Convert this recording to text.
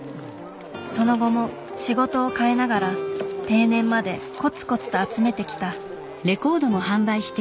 その後も仕事をかえながら定年までコツコツと集めてきた。